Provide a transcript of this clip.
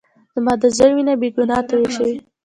زما د زوى وينه بې ګناه تويې شوې.